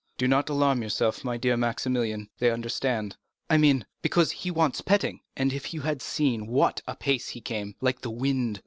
"Do not alarm yourself, my dear Maximilian—they understand." "I mean, because he wants petting. If you had seen at what a pace he came—like the wind!"